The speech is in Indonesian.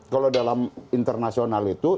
kalau dalam internasional itu